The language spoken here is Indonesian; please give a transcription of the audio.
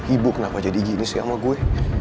ibu kenapa jadi gini sih sama gue